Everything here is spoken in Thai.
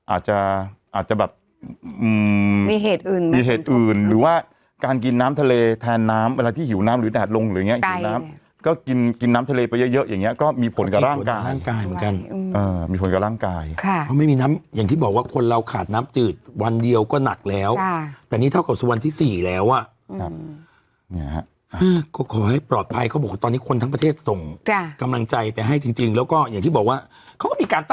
อาจจะอาจจะแบบ